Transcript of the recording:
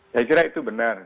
saya kira itu benar